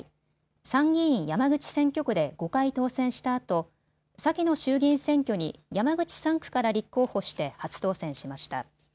参議院山口選挙区で５回当選したあと先の衆議院選挙に山口３区から立候補して初当選しました。